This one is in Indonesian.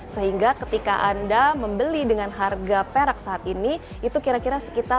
sehingga ketika anda membeli dengan harga perak anda bisa membeli perak dengan jumlah yang lebih besar